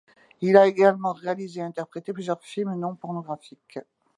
Il a également réalisé et interprété plusieurs films non pornographiques.